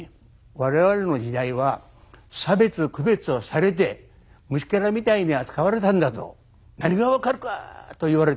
我々の時代は差別区別をされて虫けらみたいに扱われたんだと何が分かるか！と言われてね